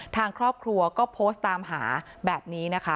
ทางครอบครัวก็โพสต์ตามหาแบบนี้นะคะ